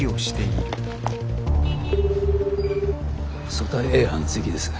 組対Ａ班関です。